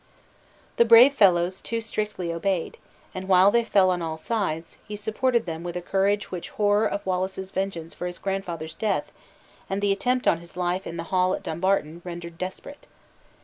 The brave fellows too strictly obeyed; and while they fell on all sides, he supported them with a courage which horror of Wallace's vengeance for his grandfather's death, and the attempt on his own life in the hall at Dumbarton, rendered desperate.